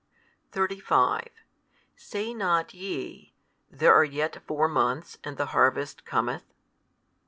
35 Say not YE, There are yet four months and the harvest cometh?